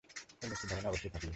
এই মুক্তির ধারণা অবশ্যই থাকিবে।